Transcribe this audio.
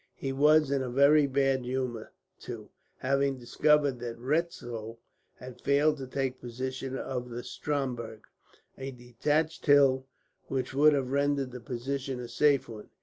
He was in a very bad humour, too, having discovered that Retzow had failed to take possession of the Stromberg, a detached hill which would have rendered the position a safe one.